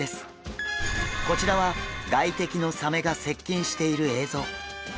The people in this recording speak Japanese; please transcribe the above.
こちらは外敵のサメが接近している映像。